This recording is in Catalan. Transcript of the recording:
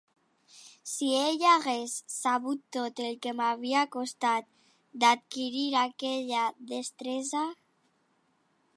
Si ell hagués sabut tot el que m'havia costat d'adquirir aquella destresa.